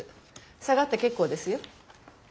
下がって結構ですよ。